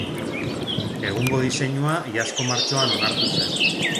Egungo diseinua iazko martxoan onartu zen.